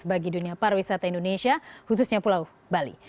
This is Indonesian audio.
bagi dunia pariwisata indonesia khususnya pulau bali